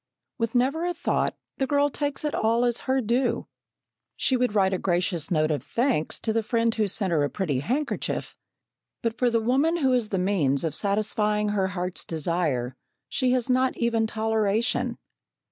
With never a thought, the girl takes it all as her due. She would write a gracious note of thanks to the friend who sent her a pretty handkerchief, but for the woman who is the means of satisfying her heart's desire she has not even toleration.